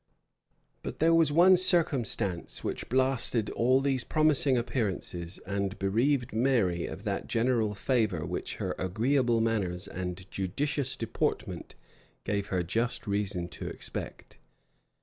But there was one circumstance which blasted all these promising appearances, and bereaved Mary of that general favor which her agreeable manners and judicious deportment gave her just reason to expect.